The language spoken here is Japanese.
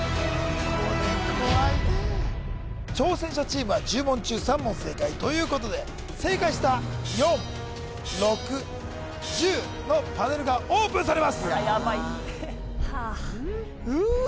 挑戦者チームは１０問中３問正解ということで正解した４６１０のパネルがオープンされます・やばい・うーわ・